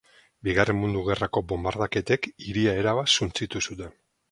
Bigarren Mundu Gerrako bonbardaketek hiria erabat suntsitu zuten.